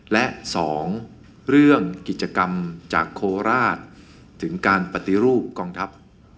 และ๒เรื่องกิจกรรมจากโคราชถึงการปฏิรูปกองทัพ